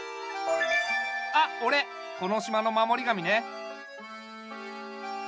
あっおれこの島の守り神ね。